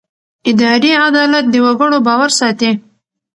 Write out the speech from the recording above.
اداري عدالت د وګړو باور ساتي.